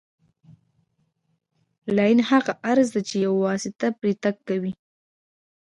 لاین هغه عرض دی چې یوه واسطه پرې تګ کوي